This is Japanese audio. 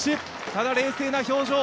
ただ、冷静な表情。